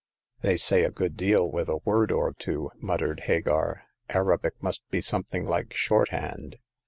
"They say a good deal with a word or two," muttered Hagar. Arabic must be something like shorthand.